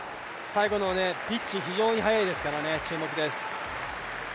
最後のピッチ非常に速いですから注目です。